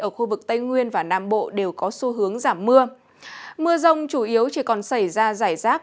ở khu vực tây nguyên và nam bộ đều có xu hướng giảm mưa mưa rông chủ yếu chỉ còn xảy ra giải rác